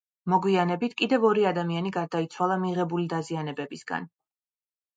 მოგვიანებით, კიდევ ორი ადამიანი გარდაიცვალა მიღებული დაზიანებებისგან.